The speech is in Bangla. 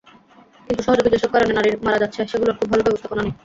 কিন্তু সহযোগী যেসব কারণে নারী মারা যাচ্ছে সেগুলোর খুব ভালো ব্যবস্থাপনা নেই।